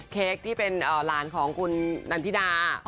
เค้กที่เป็นหลานของคุณนันทิดา